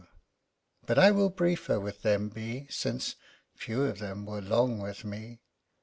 1 But I will briefer with them be, Since few of them were long with me.